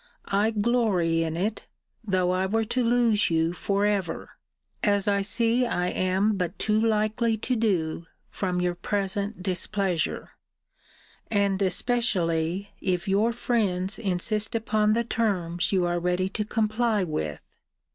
I glory in it, though I were to lose you for ever. As I see I am but too likely to do, from your present displeasure; and especially, if your friends insist upon the terms you are ready to comply with.